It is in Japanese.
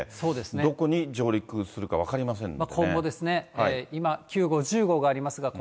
どこに上陸するか分かりませんので。